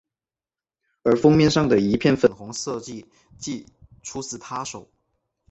而封面上一片粉红设计即出自她手。